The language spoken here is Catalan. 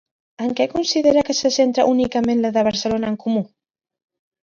En què considera que se centra únicament la de Barcelona en Comú?